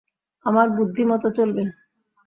আমার বুদ্ধিমতো চলবে?